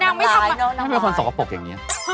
นางไม่เป็นคนสกปรกอย่างเงี้ย